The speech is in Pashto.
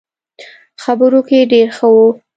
خبرو کې ډېر ښه وو.